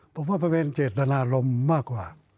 ผมว่ามันเป็นเจตนารมณ์มากกว่า